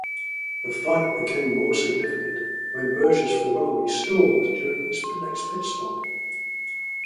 The fight became more significant when Berger's Ferrari stalled during his next pit stop.